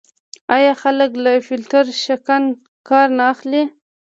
آیا خلک له فیلټر شکن کار نه اخلي؟